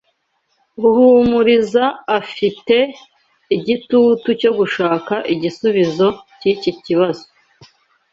Ruhumuriza afite igitutu cyo gushaka igisubizo cyiki kibazo.